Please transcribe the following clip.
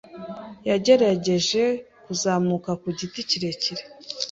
yagerageje kuzamuka ku giti kirekire.